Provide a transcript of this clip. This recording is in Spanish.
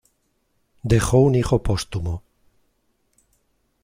Dejó un hijo póstumo.